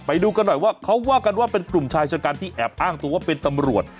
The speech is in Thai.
ไปดูกันหน่อยว่าเขาว่ากันว่าเป็นกลุ่มชายชะกันที่แอบอ้างตัวว่าเป็นตำรวจ